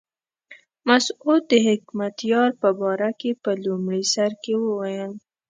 مسعود د حکمتیار په باره کې په لومړي سر کې وویل.